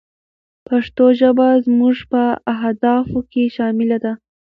پښتو ژبه زموږ په اهدافو کې شامله ده.